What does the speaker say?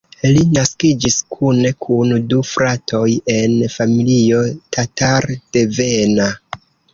Li naskiĝis kune kun du fratoj en familio tatar-devena.